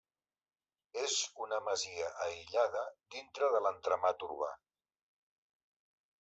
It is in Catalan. És una masia aïllada dintre de l'entramat urbà.